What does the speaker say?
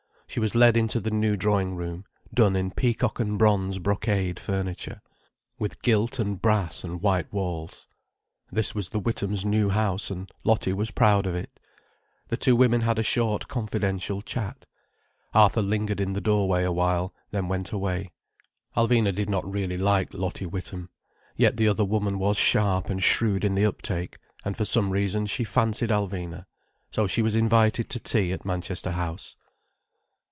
She was led into the new drawing room, done in new peacock and bronze brocade furniture, with gilt and brass and white walls. This was the Withams' new house, and Lottie was proud of it. The two women had a short confidential chat. Arthur lingered in the doorway a while, then went away. Alvina did not really like Lottie Witham. Yet the other woman was sharp and shrewd in the uptake, and for some reason she fancied Alvina. So she was invited to tea at Manchester House.